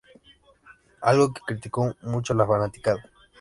Algo que critico mucho la fanaticada.